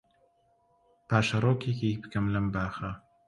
پاشەرۆکێکی بکەم لەم باخە